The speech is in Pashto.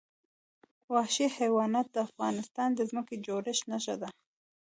وحشي حیوانات د افغانستان د ځمکې د جوړښت نښه ده.